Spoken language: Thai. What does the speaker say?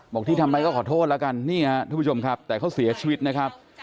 ที่ทำไปก็ขอโทษแล้วกันนี่ฮะทุกผู้ชมครับแต่เขาเสียชีวิตนะครับ